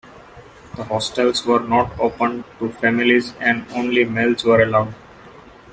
The hostels were not open to families and only males were allowed.